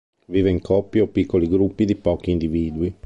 Vive in coppie o piccoli gruppi di pochi individui.